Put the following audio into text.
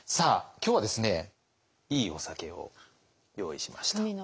今日はですねいいお酒を用意しました。